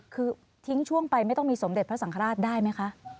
คือทิ้งช่วงไปไม่ต้องมีสมเด็จพระสังฆราชได้ไหมคะ